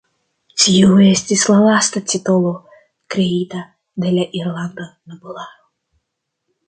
Tiu estis la lasta titolo kreita de la irlanda nobelaro.